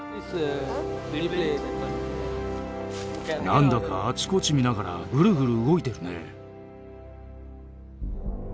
なんだかあちこち見ながらグルグル動いてるね。